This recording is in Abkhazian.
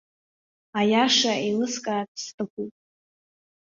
Аиаша еилыскаарц сҭахуп.